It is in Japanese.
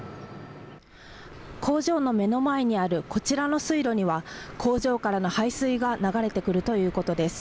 工場の目の前にあるこちらの水路には、工場からの排水が流れてくるということです。